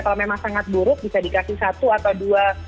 kalau memang sangat buruk bisa dikasih satu atau dua